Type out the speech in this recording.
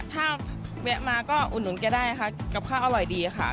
ถ้าแวะมาก็อุดหนุนแกได้ค่ะกับข้าวอร่อยดีค่ะ